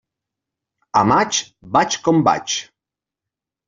A maig, vaig com vaig.